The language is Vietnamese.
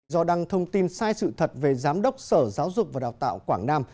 do đăng thông tin sai sự thật về giám đốc sở giáo dục và đào tạo quảng nam